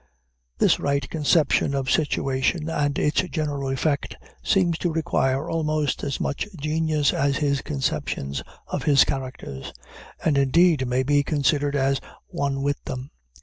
This right conception of situation and its general effect seems to require almost as much genius as his conceptions of his characters, and, indeed, may be considered as one with them.